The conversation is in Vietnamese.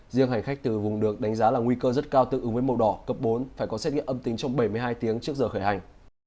riêng hành khách từ vùng được đánh giá là nguy cơ rất cao tự ứng với màu đỏ cấp bốn phải có xét nghiệm âm tính trong bảy mươi hai tiếng trước giờ khởi hành